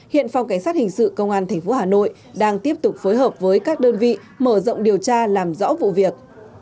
hiện phòng cảnh sát hình sự công an tp hà nội đang tiếp tục phối hợp với các đơn vị mở rộng điều tra làm rõ vụ việc